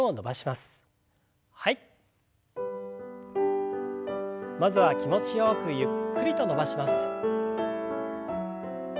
まずは気持ちよくゆっくりと伸ばします。